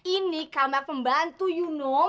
ini kamar pembantu you know